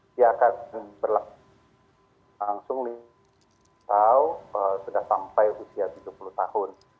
dia akan berlangsung atau sudah sampai usia tujuh puluh tahun